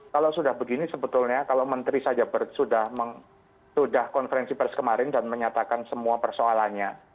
kalau sudah begini sebetulnya kalau menteri saja sudah konferensi pers kemarin dan menyatakan semua persoalannya